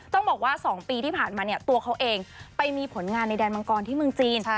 ต้องบอกว่า๒ปีที่ผ่านมาเนี่ยตัวเขาเองไปมีผลงานในแดนมังกรที่เมืองจีน